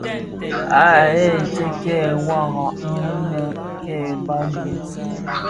Àa yêê tsee kêê sààghràg inë kêê bàgi.